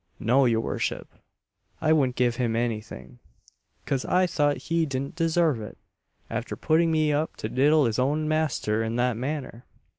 "No, your worship, I wouldn't give him anything; 'cause I thought he didn't desarve it, after putting me up to diddle his own master in that manner!"